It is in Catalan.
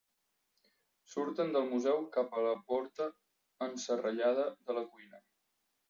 Surten del museu cap a la porta enserrellada de la cuina.